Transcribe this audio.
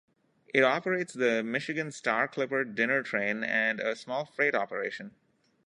It operates the Michigan Star Clipper Dinner Train and a small freight operation.